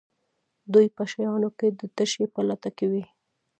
دوی په شیانو کې د تشې په لټه کې وي.